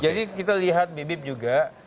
jadi kita lihat bip bip juga